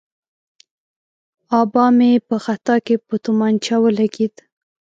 آبا مې په خطا کې په تومانچه ولګېد.